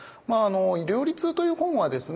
「料理通」という本はですね